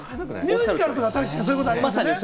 ミュージカルもそういうところありますよね。